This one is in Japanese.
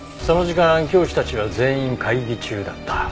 その時間教師たちは全員会議中だった。